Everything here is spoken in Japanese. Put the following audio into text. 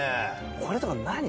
これとか何？